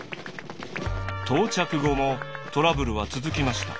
到着後もトラブルは続きました。